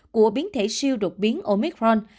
của biến thể siêu đột biến omicron